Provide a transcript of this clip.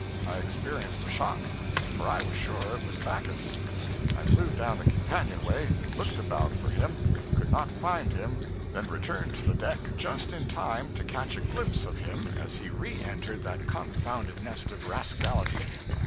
I experienced a shock, for I was sure it was Backus. I flew down the companion way, looked about for him, could not find him, then returned to the deck just in time to catch a glimpse of him as he re entered that confounded nest of rascality.